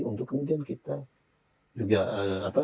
untuk kemudian kita juga apa